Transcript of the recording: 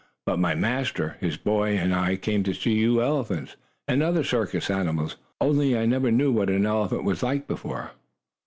But my master, his boy and I came to see you elephants, and other circus animals. Only I never knew what an elephant was like before."